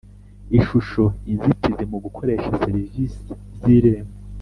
Ishusho Inzitizi mu gukoresha serivisi z irembo